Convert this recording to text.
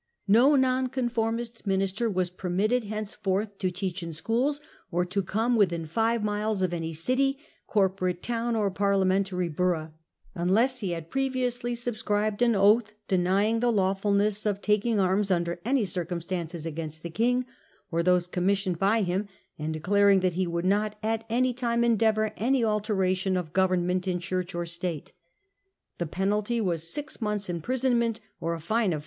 No Nonconformist minister was permitted henceforth to teach in schools, or to come within five miles of any city, corporate town, or Parlia mentary borough, unless he had previously subscribed an oath denying the lawfulness of taking arms under any circumstances against the King or those commissioned by him, and declaring that he would not ' at any time endeavour any alteration of government in Church or State.* The penalty was six months' imprisonment or a fine of 40